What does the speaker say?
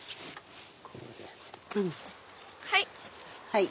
はい！